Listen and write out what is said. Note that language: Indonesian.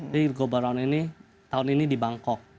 jadi global round ini tahun ini di bangkok